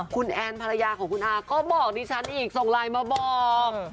คุณแอนภรรยาของคุณอาก็บอกดิฉันอีกส่งไลน์มาบอก